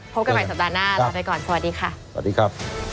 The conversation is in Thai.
พบกันใหม่สัปดาห์หน้าลาไปก่อนสวัสดีค่ะ